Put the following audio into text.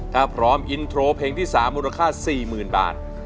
ถ้าพร้อมอินโทรเพลงที่๓มูลค่า๔๐๐๐บาท